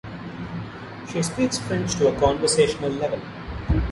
She speaks French to a conversational level.